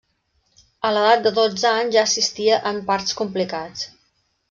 A l'edat de dotze anys, ja assistia en parts complicats.